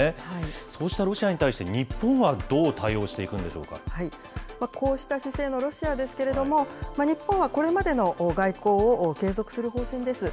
そうしたロシアに対して、日本はこうした姿勢のロシアですけれども、日本はこれまでの外交を継続する方針です。